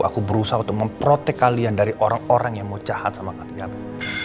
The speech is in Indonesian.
aku berusaha untuk memprotek kalian dari orang orang yang mau jahat sama kalian